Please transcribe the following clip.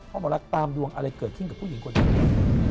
พ่อหมอรักตามดวงอะไรเกิดขึ้นกับผู้หญิงกว่านี้